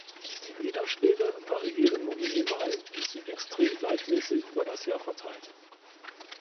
Die Niederschläge variieren nur minimal und sind extrem gleichmäßig über das Jahr verteilt.